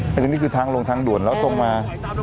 เพราะทั้งลงทางด่วนแล้วตรงมา